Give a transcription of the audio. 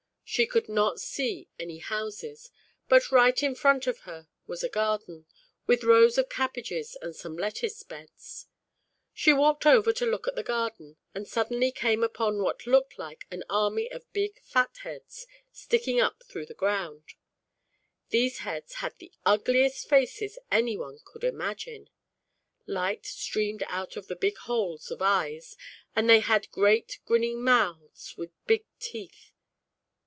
She could not see any houses, but right in front of her was a garden, with rows of cabbages and some lettuce beds. She walked over to look at the garden, and suddenly eame upon what looked like an army of big Fat Heads, sticking up through the ground. \ These heads had the ugliest faces any one could imagine; light streamed out of the big holes of eyes, and they had great grinning mouths with big teeth.